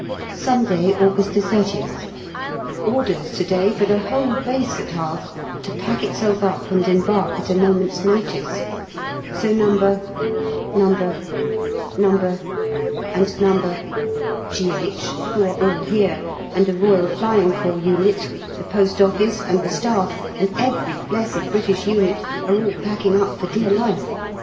Sunday, August 30th. Orders to day for the whole Base at Havre to pack itself up and embark at a moment's notice. So No. , No. , No. , and No. G.H., who are all here, and a Royal Flying Corps unit, the Post Office, and the Staff, and every blessed British unit, are all packing up for dear life.